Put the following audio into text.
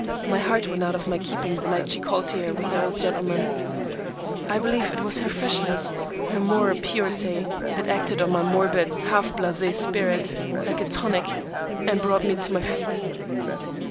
My heart went out of my keeping the night she called here with the old gentleman. I believe it was her freshness, her moral purity, that acted on my morbid, half blasé spirit, like a tonic, and brought me on my feet.